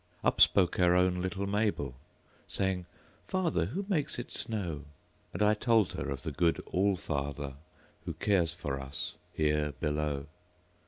Up spoke our own little Mabel, Saying, "Father, who makes it snow?"And I told of the good All fatherWho cares for us here below.